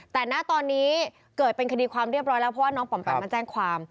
แต่ณตอนนี้เกิดเป็นคดีความเรียบร้อยแล้วเพราะว่าน้องปอมแปมมาแจ้งความ